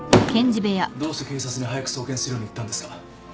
どうして警察に早く送検するように言ったんですか。